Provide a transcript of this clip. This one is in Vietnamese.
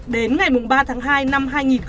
đến ngày ba tháng hai năm hai nghìn hai mươi